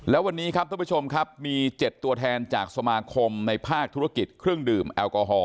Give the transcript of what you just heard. แล้ววันนี้ครับท่านผู้ชมครับมี๗ตัวแทนจากสมาคมในภาคธุรกิจเครื่องดื่มแอลกอฮอล